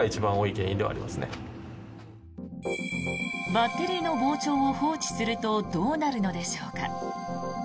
バッテリーの膨張を放置するとどうなるのでしょうか。